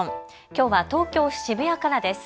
きょうは東京渋谷からです。